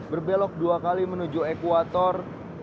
berbelok dua kali menuju ekuator